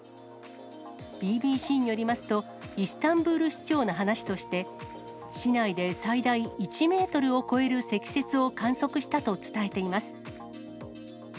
ＢＢＣによりますと、イスタンブール市長の話として、市内で最大１メートルを超える積雪を観測したと伝えています。